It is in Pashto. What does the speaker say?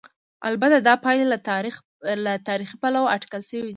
البته دا پایلې له تاریخي پلوه اټکل شوې نه دي.